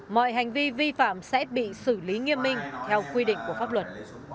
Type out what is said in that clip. mọi hành vi vi phạm sẽ bị xử lý nghiêm minh theo quy định của pháp luật